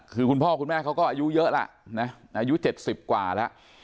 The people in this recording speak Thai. คือคุณพ่อคุณแม่เขาก็อายุเยอะแล้วนะอายุ๗๐กว่าแล้ว